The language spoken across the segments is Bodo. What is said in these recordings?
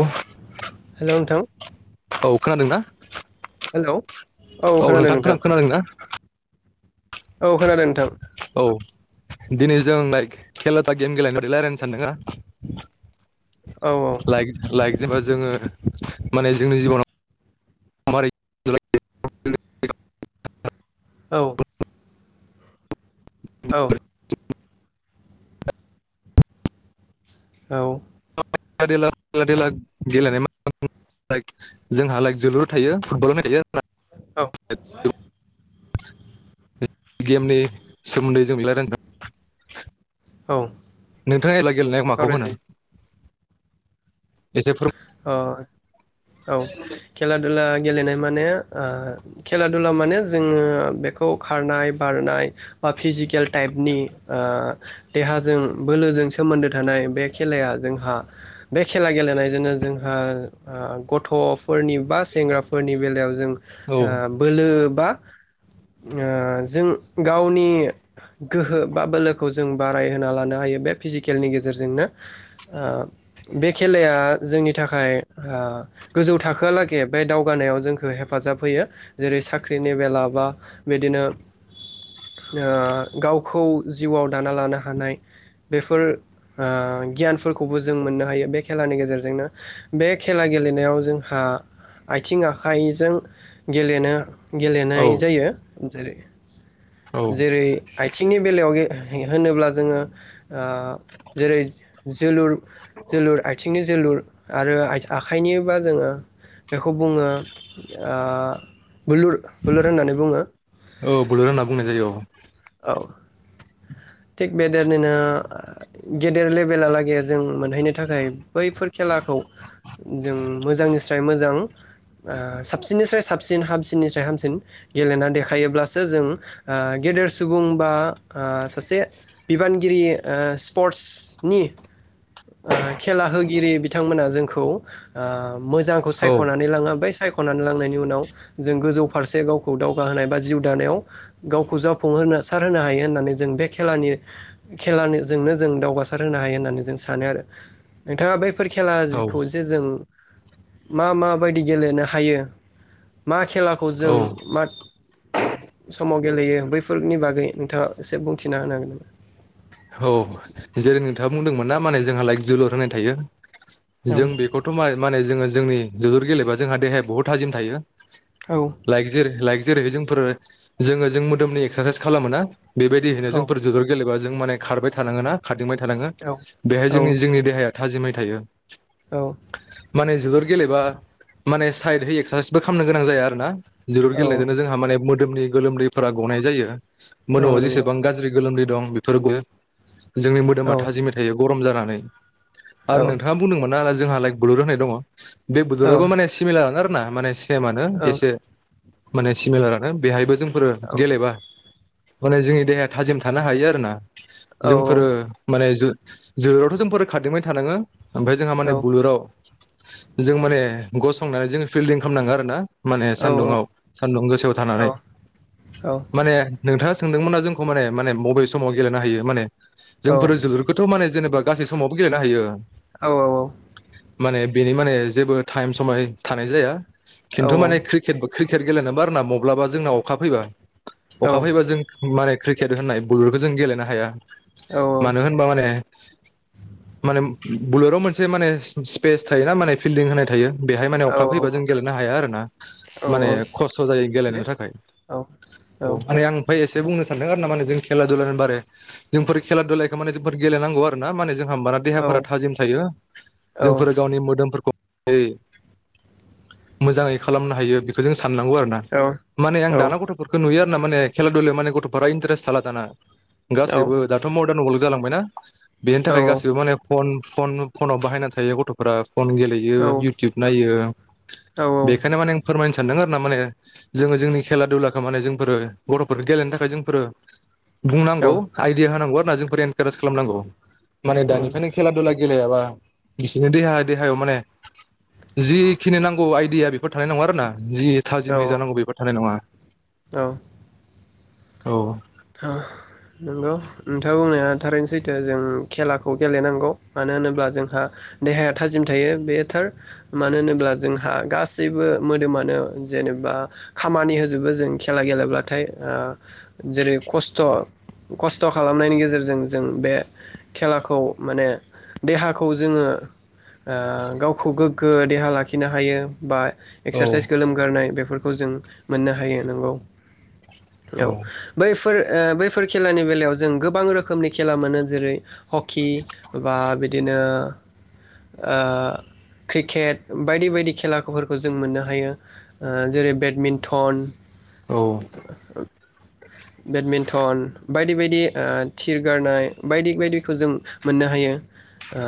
औ हेलौ नोंथां अ खोनादोंना हेलौ औ नोंथां खोना खोनादों ना औ खोनादों नोंथां औ दिनै जों लाइक खेला'था गेम गेलेनो बादै रायजलायनो सानदों ना औ [unintelligible] जेनेबा जोङो माने जोंनि जिबनाव [unintelligible] औ औ औ देला गेलेनाय जोंहा लाइक जोलुराव थायो फुटबलाव थायो। औ गेमनि सोमोन्दै जों रायलानो औ नोंथाङा एला गेलेनाया माखौ होनो सावरायजायो एसे फोर अ औ खेला दुला गेलेनाय माने ओ खेला दुला माने जोङो बेखौ खारनाय बारनाय बा फिजिकेल टाइपनि ओ देहाजों बोलोजों सोमोन्दो थानाय बे खेलाया जोंहा बे खेला गेलेनायजोंनो। जोंहा गथ'फोरनि बा सेंग्राफोरनि बेलायाव जों। औ ओ बोलो बा ओ जों गावनि गोहो बा बोलोखौ जों बारायहोना लानो हायो बे फिजिकेलनि गेजेरजोंनो ओ बे खेलाया। जोंनि थाखाय ओ गोजौ थाखोआलागै बे दावगानायाव जोंखौ हेफाजाब होयो जेरै साख्रिनि बेला बा बिदिनो ओ गावखौ जिउआव दाना लानो हानाय बेफोर ओ गियानफोरखौबो जों मोननो हायो बे खेलानि गेजेरजों। नो बे खेला गेलेनायाव जोंहा आथिं आखाइजों गेलेनो औ गेलेनाय जायो जेरै औ जेरै आथिंनि बेलायाव गे होनोब्ला जोङो ओ जेरै जोलुर जोलुर आथिंनि जोलुर आरो आखाइनिबा जोङो बेखौ बुङो ओ बुलुर बुलुर होननानै बुङो। औ बुलुल होनना बुंनाय जायो औ औ थिग बेदेरनिनो गेदेर लेभेेललागै जों मोनहैनो थाखाय बैफोर खेलाखौ जों मोजांनिस्राय मोजां ओ साबसिननिस्राय साबसिन हामसिननिस्राय हामसिन गेलेना देखायोब्लासो जों ओ गेदेर सुबुं बा ओ सासे बिबानगिरि ओ स्पर्टसनि ओ खेला होगिरि बिथांमोना जोंखौ ओ मोजांखौ औ सायख'नानै लाङो बोय सायख' खावनानै लांनायनि उनाव जों गोजौ फारसे गावखौ दावगा होनोनाय बा जिउ दानायाव गावखौ जाफुंहोनो सार होनो हायो होननानै जों बे खेलानि खेलानि जों जोंनो दावगासार होनो हायो होननानै जों सानो आरो नोंथांङा बै फोर औ खेलाखौ जे‌ जों मा मा बायदि गेलेनो हायो मा‌ खेलाखौ औ जों मा समाव गेलेयो बैफोरनि बागै नोंथांङा एसे बुं थिना होनांगोन नों औ जेरै नोंथांङा बुंदोंमोन ना माने जोंहा लाइक जोलुर होनाय थायो। जों नामा? बेखौथ' मा नो‌ माने जोंङो। जोंनि जोलुर गेलेबा जोंहा देहाया बुहुत थाजिम थायो। औ लायजिर लाय जेरै जोंफोर जोंङो जों मोदोमनि एक्सारसाइस खालामो ना। बेबायदि हैनो औ जोंफोर जोबोर गेलेबा जों माने। खारबाय थानांगोन ना। खारदिंबाय थानांङो बेहाय औ जोंनि जोंनि देहाया। थाजिमै थायो। औ। माने जोलुर गेलेबा माने साइद एक्सारसाइसबो खालामनो गोनां जाया आरो ना। जोलुर गेलेजों औ जोंहा माने। मोदोमनि गोलोमदैफोरा गनाय जायो। औ मोदोमाव नंगौ जेसेबां गाज्रि गोलोमदै। दं बेफोरबो। [inaudible] जोंनि औ मोदोमा थाजिमै थायो गरम जा‌ लानो। औ आरो नोंथांङा बुंदोंमोन ना। जोंहा लाइक बुुल‌ होननाय दंङ। बे औ बदरावबो माने सिमिलार आरो। ना माने सि सेमानो एसे। माने सिमिलारानो बेहाय बो। जोंफोर गेलेबा। माने जोंनि देहाया थाजिम थानो हायो आरो ना। औ जोंफोरो माने जु जोलोरावथ' जोंफोरो खारदिंबाय थानांङो। ओमफाय जोंहा माने बुलुराव। जों माने गसंनानै जों फिल्डिं खालामनांगो आरो ना। माने सान्दुंआव सान्दुं गोसोआव थानानै माने नोंथा सोंदोंमोना जोंखौ माने माने मबे समाव गेलेनो हायो माने। जोंफोर जोलुर खोथ' माने जेनेबा गासै समावबो। गेलेनो होयो। औ औ औ माने बेनि माने जेबो टाइम समाय थानाय जाया। खिन्थु माने क्रिकेट बो क्रि केट गेलेनोबा आरोना मब्लाबा जोंनाव अखा फैबा अखा फैबा जों माने क्रिकेट होननाय बुलुरखो जों गेलेनो हाया। मानो होनबा माने माने बुलुराव मोनसे माने स्पेस थायोना माने फिल्डिं होनाय थायो। बेहाय माने अखा फैबा जों गेलेनो हाया आरो ना माने खस्थ' जायो गेलेनो थाखाय औ ओरै आं फाय एसे दे बुंनो सानदों आरो ना माने जों खेला दुलानि बारे जोंफोर खेला दुलायखौ माने जोबोद गेलेनांगौ आरो ना माने जों हामबारा देहाफोरा थाजिम थायो जोंफोर गावनि मोदोमफोरखौ दै मोजाङै खालामनो हायो बेखौ जोंस साननांगौ आरोना माने आं दाना गथ'फोरखौ नुयो होनना माने खेला दुलायाव माने गथ'फोरा इन्ट्रेस्थ थाला दाना ओरैबो दाथ' मरदान अल जालांबाय ना बेनि थाखाय गासिबो माने फन फन फनाव बाहायना थायो गथ'फोरा फन गेलेयो इउटुब नायो। बेखायनो माने आं फोरमायनो सा सान्दों आरोना माने जोङो जोंनि खेला दुलाखौ माने जोंफोरो गथ'फोरखौ गेलेनो थाखाय जोंफोरो बुंनांगौ। रिहा होनांगौ आरना जोंफोरेन थेरेस खालामनांगौ माने दानिफायनो खेला दुला गेलेयाबा बिसोरनि देहा देहायाव माने जिखिनि नांगौ आइदिया बेफोर थानाय नङा आरोना। जि थाजिमै जानांगौ बेबो थानाय नङा। औ ओह नोंगौ नोंथां बुंनाया थारैनो सैथो जों खेलाखौ गेलेनांगौ मानो होनोब्ला जोंहा देहाया थाजिम थायो बेयो थार मानो होनोब्ला जोंहा गासैबो मोदोमानो जेनेबा खामानि होजुबो जों खेला गैलेब्लाथाय ओ जेरै - खस्थ' खस्थ' खालामनायनि गेजेरजों जों बे खेलाखौ माने देहाखौ जोङो ओ गावखौ गोग्गो देहा लाखिनो हायो बा एक्सारसाइस गोलोमगारनाय बेफोर खौ जों मोननो हायो नोंगौ। औ बैफोर ओ बैफोर खेलानि बेलायाव जों गोबां रोखोमनि खेला मोनो जेरै- हकि बा बिद बिदिनो ओ क्रिकेट बायदि बायदि खेलाफोरखौ जों मोननो हायो ओ जेरै बेडमिन्टन औ बेडमिन्टन बायदि बायदि ओ थिरगारनाय बायदि बायदिखौ जों मोननो हायो ओ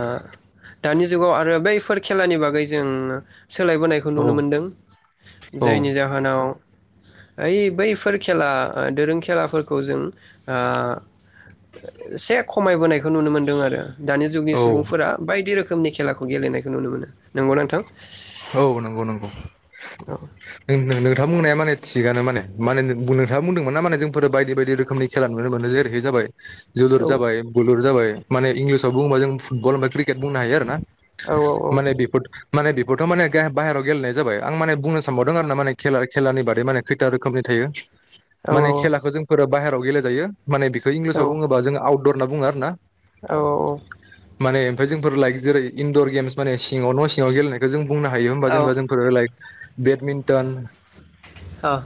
दानि जुगाव आरो बैफोर खेलानि बागै जों सोलायबोनायखौ औ नुनो मोनदों जायनि औ जाहोनाव ओइ बैफोर खेला ओ दोरों खेलाफ फोरखौ जों ओ एसे खमायबोनायखौ नुनो मोनदों आरो दानि जुगनि सुबुंफोरा बायदि रोख खोमनि खेलाखौ गेलेनायखौ नुनो मोनो नोंगौ ना नोंथां? औ नोंगौ नोंगौ नों नोंथां बुंनाया माने थिगानो माने माने बु नोंथाङा बुंदोंमोन ना माने जोंफोरो बायदि बायदि रोखोमनि खेला नुनो मोनो जेरैहाय जाबाय औ जुलुरजाबाय, बुलुरजाबायक माने इंलिसाव बुबां जों फुटबल ओमफाय क्रिकेट बुंनो हायो आरो ना औ माने बिफोद माने बेफ गथ' माने गाह बाहेरायाव गेलनाय जाबाय आं माने बुंनो सा नबावदों आरो ना माने खेला‌ खेलानि बादै माने खैथा रोखोमनि थायो औ माने खेलाखौ जोंफोरो बाहेराव गेलेेजायो माने बेखौ इंलिसाव बुङोबा जों आउट दर होनना बुङो आरो ना औ औ माने ओमफाय जोंफोर लाइक जेरै इनड'र गेमस माने सिङाव न' सिङाव गेलेनाय खौ जों बुंनो हायो होमबा औ जेनेबा जोंफोरो लाइक बेडमिन्टन ओ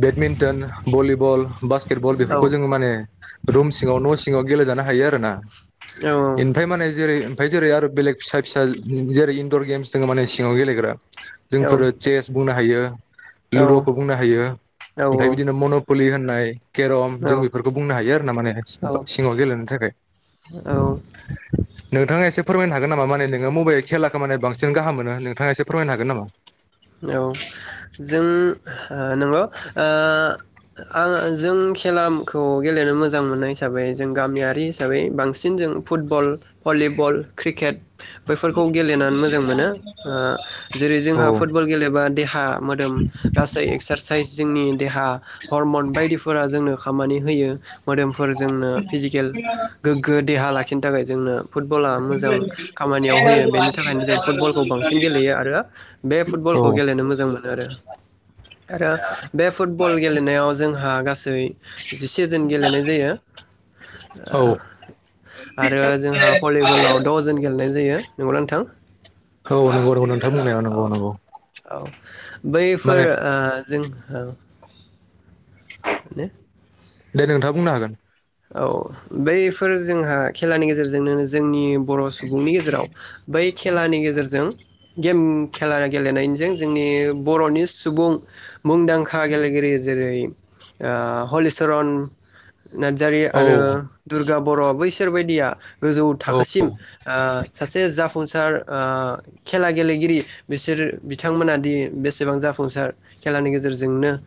बेडमिन्टन, भलिबल, बास्केटबल बेफोरखौ जोङो माने रुम सिङाव न' सिङाव गेलेेजानो हायो आरो ना एनफाय माने जेरै फाय जेरै आरो बेलेग फिसा फिसा जेरै इनडर' गेम्स दङ माने सिङाव गेलेग्रा जोंफोरो चेस बुंनो हायो [inaudible] लुद'खौ बुंनो हायो ओमफाय बिदिनो मन' पुलि होननाय केरम जों बेफोरखौ बुंनो हायो आरो ना माने सि फ सिङाव गेलेनो थाखाय औ नोंथाङा एसे फोरमायनो हागोन नामा माने नोङो मबाइ खेला खेलाखौ माने बांसिन गाहाम मोनो नोंथाङा एसे फोरमायनो हागोन नामा औ जों ओ नंगौ ओ आं जों खेलाखौ गेलेनो मोजां मोननाय हिसाबै जों गामियारि हिसाबै बांसिन जों फुटबल भलिबल क्रिकेट बैफोरखौ गेलेनान मोजां मोनो ओ जेरै जोंहा औ औ फुटबल गेलेबा देहा मोदोम गासै एक्सारसाइस जोंनि देहा हरमन बायदिफोरा जोंनो खामानि होयो मोदोमफोर जोंनो फिजिकेल गोग्गो देहा लाखिनो थाखाय जोंनो फुटबला मोजां खामानियाव होयो बेनि थाखायनो जों फुटबलखौ बांसिन गेलेयो आरो फुटबलखौ गेलेनो मोजां मोनो आरो बे फुटबल गेलेनायाव जों हा गास ए जिसे जोन गेलेनाय जायो आ आरो जोंहा भलिबलाव द'जन गेलेनाय जायो नंगौ ना नोंथां ह औ नंगौ नोंथां बुंनाया नंगौ औ नंगौ औ औ बैफोर माने ओ जों औ ने दे नोंथाङा बुंनो हागोन औ बैफोर जोंहा खेलानि गेजेरजोंनो जोंनि बर' सुबुंनि गेजेराव बै खेलानि गेजेरजों गेम खेला गेलेनायजों जोंनि बर'नि सुबुं मुंदांखा गेलेगिरि जेरै आ हलिचरन जारि औ आरो दुर्गा बर' बैस सोरबायदिया गोजौ औ थाखोसिम ओ सासे जाफुंसार ओ खेला गेलेगिरि बिसोर बिथांमोना दि बेसेबां जाफुंसार खेलानि गेजेरजोंनो ओ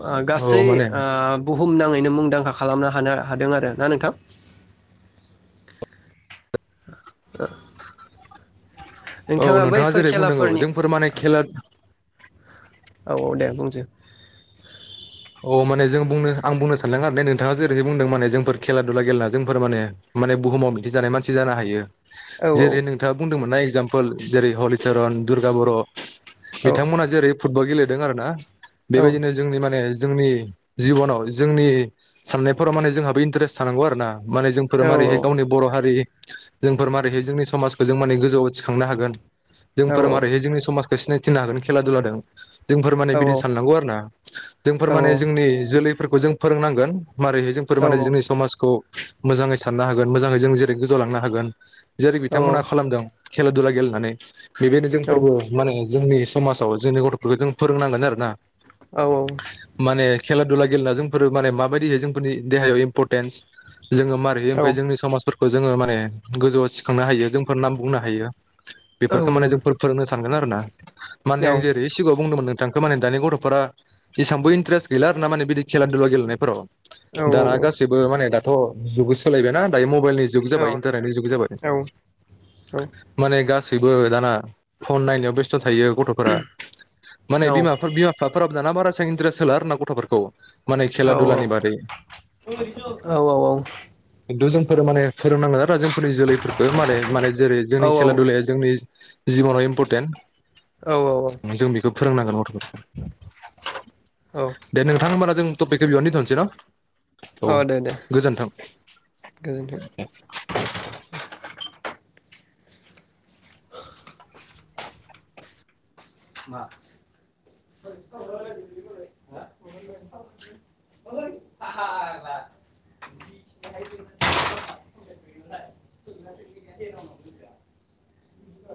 आ औ गासै माने आ बु बुम नाङैनो मुं मुंदांखा खालामनो हानो हादों आरो ना नोंथां। औ नोंथाङा बैफोर जेरै बुंनांगौ खेलाफोरनि जोंफोर माने खेला औ औ दे बुंसै अ माने जों बुंनो आं बुंनो सानदों आरो ने नोंथाङा जेरैहाय बुंदों माने जोंफोर खेला दुला गेलेना जोंफोर माने माने बुहुमाव दिन्थिजानाय मानसि जानो हायो। औ जेरै नोंथाङा बुंदोंमोनना एकजाम जेरै हलिचरन दुर्गा बर' औ बिथांमोनहा जेरै फुटबल गेलेदों दों आरोना औ बेबायदिनो जोंनि माने जोंनि जिब'नाव जोंनि साननायफोराव माने जोंहाबो इन्टारेस्ट थानांगौ आरो ना। माने जोंफोर औ मारैहाय गावनि बर' हारि जोंफोर माबारैहाय जोंनि समाजखौ जों माने गोजौआव थिखांनो हागोन औ जोंफोर मारैहाय जोंनि समाज बे सिनायथिनो हागोन खेला दुलादों जोंफोर माने औ बिदि साननांगौ आरो ना। फोर माने जोंनि जोल बेफोरखौ जों फोरोंनांगोन मारोरैहाय जोंफोर माने जोंनि समाजखौ मोजाङै साननो हागोन मोजाङै जों जेरै गोजौवाव लांनो हागोन। जेरै बिथांमोनहा खालामदों खेला दुला गेलेनानै बेबादि जोंफोरबो माने जोंनि समाजाव जोंनि गथ'फोरखौ जों फोरोंनांगोन आरो ना। औ औ। माने खेला दुला गेलेनाया जोंफोर माने माबायदियै जोंफोरनि देहायाव इम्परटेन्स जोङो मारैहाय ओमफ्राय जोंनि समाजफोरखौ खौ जोङो माने गोजौआव सिखांनो हायो जोंफोर नाम बुंनो हायो। बेफोरखौ माने जोंफोर फोरोंनो सान बेनो आरो ना। माने औ आं जेरै सिगाङाव बुंदोंमोन बिथांखौ माने दानि गथ'फोरा एसांबो इन्टारेस्ट गैला आरो ना माने बिदि खेला दुला गेलनायफोराव। दाना गासैबो माने दा अ जुगबो सोलायबायना दायो मबाइ मबायलनि जुग जाबाय इन्तारनेतनि जुग जाबाय। माने गासै बयबो दाना फन नायनायाव बेस्थ' थायो गथ'फोरा। माने बिमाफोर बिमा बिफाफोरा दाना बारा इसान इनट्रेस होला आरोना गथ'फोरखौ माने औ खेला दुलानि बारै औ औ औ औ। खिनथु जोंफोर माने फोरोंनांगोन आरो जों [unintelligible] जोलैफोरखौ माने माने जेरै जोंनि खेला दुलाया जोंनि । जिबनाव इम्पर्टन्ट औ औ औ। फोरोंनांगोन गथ'फोरखो। औ दे नोंथां होमब्ला जों टपिकखौ बेयावनो दथ'नोसै न औ दे दे गोजोन्थों गोजोनथों [unintelligible] [unintelligible]